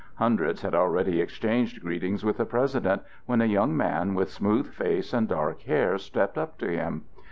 Hundreds had already exchanged greetings with the President, when a young man with smooth face and dark hair stepped up to him.